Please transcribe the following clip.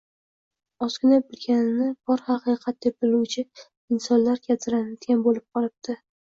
ozgina bilganini bor haqiqat deb biluvchi insonlar gavdalanadigan bo‘lib qoldi?